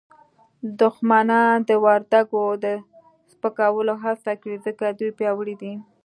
دښمنان د وردګو د سپکولو هڅه کوي ځکه دوی پیاوړي دي